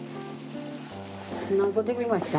何個できました？